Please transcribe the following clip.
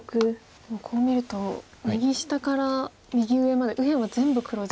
もうこう見ると右下から右上まで右辺は全部黒地。